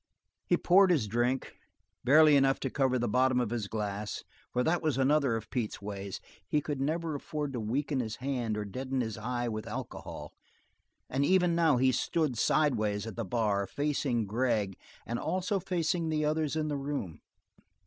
He poured his drink, barely enough to cover the bottom of his glass, for that was another of Pete's ways; he could never afford to weaken his hand or deaden his eye with alcohol, and even now he stood sideways at the bar, facing Gregg and also facing the others in the room.